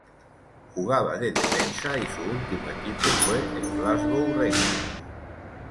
Jugaba de defensa y su último equipo fue el Glasgow Rangers.